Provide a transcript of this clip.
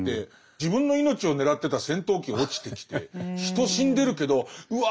自分の命を狙ってた戦闘機が落ちてきて人死んでるけどうわ